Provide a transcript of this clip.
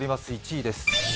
１位です。